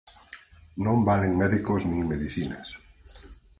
Non valen médicos nin medicinas.